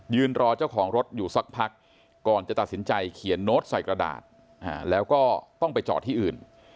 รอเจ้าของรถอยู่สักพักก่อนจะตัดสินใจเขียนโน้ตใส่กระดาษแล้วก็ต้องไปจอดที่อื่น